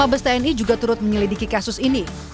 mabes tni juga turut menyelidiki kasus ini